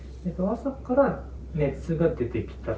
朝から熱が出てきたと？